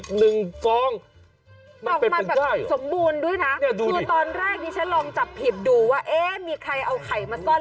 คือตอนแรกนี่ฉันลองจับผิดดูว่าไข่มาซ่อน